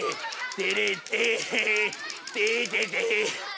デレッテ。